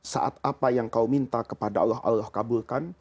saat apa yang kau minta kepada allah allah kabulkan